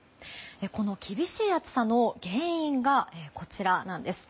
この厳しい暑さの原因がこちらなんです。